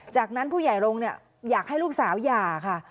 จากนั้นผู้ใหญ่รงค์อยากให้ลูกสาวหย่าค่ะ